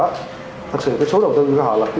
thật sự cái số đầu tư của họ là